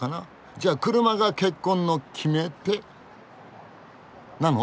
じゃあ車が結婚の決め手なの？